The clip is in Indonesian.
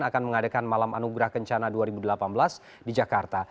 akan mengadakan malam anugerah kencana dua ribu delapan belas di jakarta